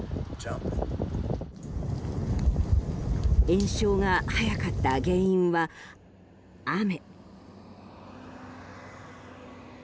延焼が早かった原因は、雨。